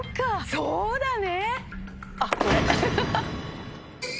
そうだよ。